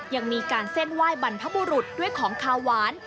ยังมีการเส้นไหว้บรรพบุรุษด้วยของขาวหวาน